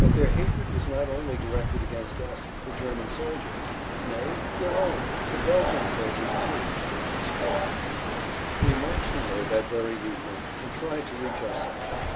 But their hatred was not only directed against us, the German soldiers, nay, their own, the Belgian soldiers, too, were not spared by it. We marched away that very evening and tried to reach our section.